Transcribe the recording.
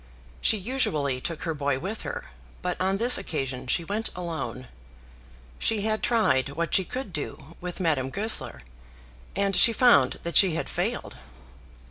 She usually took her boy with her, but on this occasion she went alone. She had tried what she could do with Madame Goesler, and she found that she had failed.